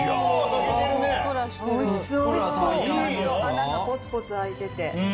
ちゃんと穴がポツポツ開いてて。